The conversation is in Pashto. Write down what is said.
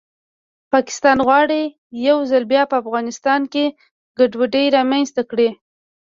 پاکستان غواړي یو ځل بیا په افغانستان کې ګډوډي رامنځته کړي